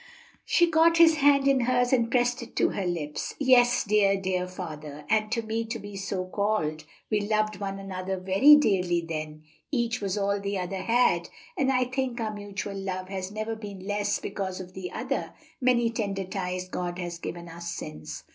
She caught his hand in hers and pressed it to her lips. "Yes, dear, dear father! and to me to be so called. We loved one another very dearly then, each was all the other had, and I think our mutual love has never been less because of the other many tender ties God has given us since."